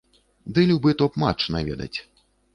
Ды любы топ-матч наведаць.